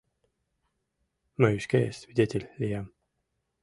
Мый шке свидетель лиям.